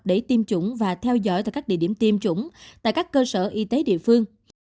để tiêm chủng và theo dõi tại các địa điểm tiêm chủng tại các cơ sở y tế địa phương